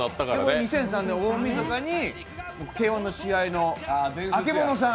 ２００３年、大みそかＫ−１の試合の曙さん。